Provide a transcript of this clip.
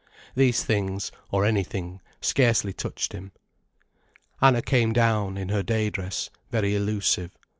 These things, or anything, scarcely touched him. Anna came down, in her day dress, very elusive.